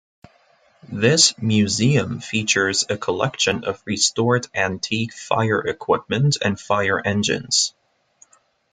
This museum features a collection of restored antique fire equipment and fire engines.